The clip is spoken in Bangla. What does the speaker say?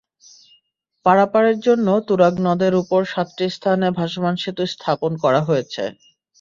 পারাপারের জন্য তুরাগ নদের ওপর সাতটি স্থানে ভাসমান সেতু স্থাপন করা হয়েছে।